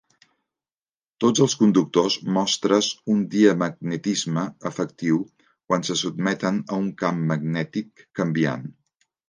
Tots els conductors mostres un diamagnetisme efectiu quan se sotmeten a un camp magnètic canviant.